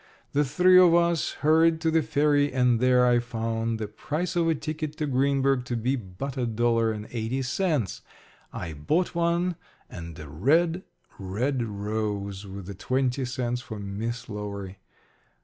The three of us hurried to the ferry, and there I found the price of a ticket to Greenburg to be but a dollar and eighty cents. I bought one, and a red, red rose with the twenty cents for Miss Lowery.